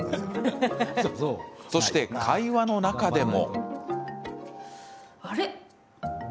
そして、会話の中でも。